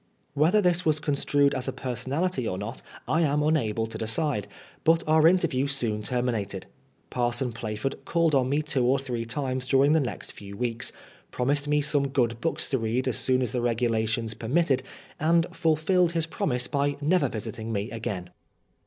Whether this was construed as a personality or not I am unable to decide, but our interview soon termi nated. Parson Plaford called on me two or three times during the next few weeks, promised me some good books to read as soon as the regulations per mitted, and fulfilled his promise by never visiting me again.